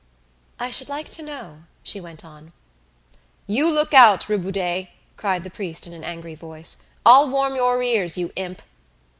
"I should like to know " she went on. "You look out, Riboudet," cried the priest in an angry voice; "I'll warm your ears, you imp!"